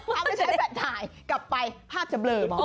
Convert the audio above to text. เอาไปใช้แฟตถ่ายกลับไปภาพจะเบลอบอกไม่ชัด